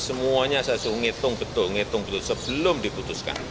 semuanya harus dihitung betul dihitung betul sebelum diputuskan